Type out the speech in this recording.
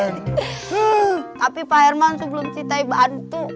tapi pak herman sebelum si tai bantu